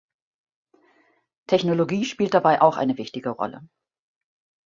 Technologie spielt dabei auch eine wichtige Rolle.